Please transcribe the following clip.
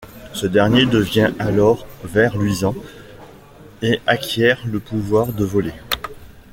Ce dernier devient alors ver luisant et acquiert le pouvoir de voler.